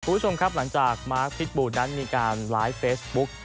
คุณผู้ชมครับหลังจากมาร์คพิษบูนั้นมีการไลฟ์เฟซบุ๊ก